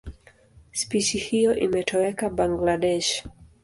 Spishi hiyo imetoweka Bangladesh.